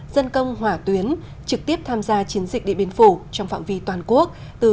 dân công hỏa tuyến trực tiếp tham gia chiến dịch điện biên phủ trong phạm vi toàn quốc từ